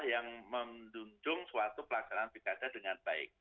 yang mendunjung suatu pelaksanaan pihak pikada dengan baik